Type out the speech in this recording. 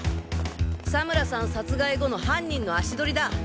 佐村さん殺害後の犯人の足取りだ！